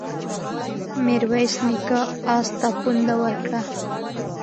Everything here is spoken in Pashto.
ميرويس نيکه آس ته پونده ورکړه.